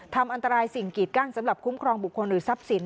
ทำอันตรายสิ่งกีดกั้นสำหรับคุ้มครองบุคคลหรือทรัพย์สิน